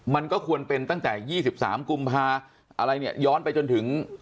มันก็ควรเป็นตั้งแต่๒๓กุมภาพย้อนไปจนถึง